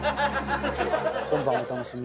今晩はお楽しみ。